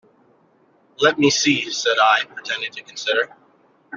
"Let me see," said I, pretending to consider.